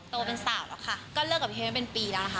เป็นสาวแล้วค่ะก็เลิกกับเฮ้มาเป็นปีแล้วนะคะ